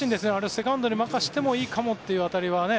セカンドに任せてもいいかもという当たりはね。